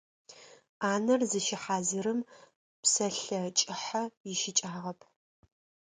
Ӏанэр зыщыхьазырым псэлъэ кӏыхьэ ищыкӏагъэп.